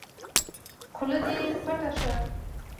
خوله دې پټّ شه!